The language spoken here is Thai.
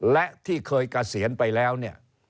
และที่เคยเกษียณไปแล้วเนี่ย